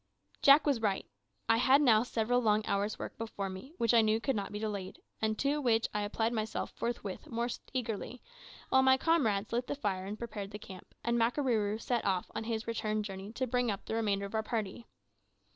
Jack was right. I had now several long hours' work before me, which I knew could not be delayed, and to which I applied myself forthwith most eagerly, while my comrades lit the fire and prepared the camp, and Makarooroo set off on his return journey to bring up the remainder of our party.